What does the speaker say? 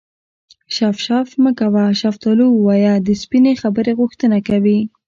شف شف مه کوه شفتالو ووایه د سپینې خبرې غوښتنه کوي